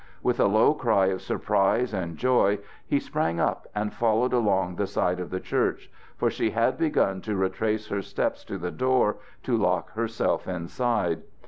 With a low cry of surprise and joy he sprang up and followed along the side of the church; for she had begun to retrace her steps to the door, to lock herself inside.